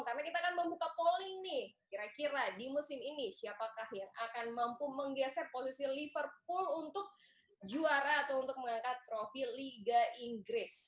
karena kita akan membuka polling nih kira kira di musim ini siapakah yang akan mampu menggeser posisi liverpool untuk juara atau untuk mengangkat trofi liga inggris